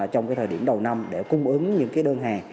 trong thời điểm đầu năm để cung ứng những đơn hàng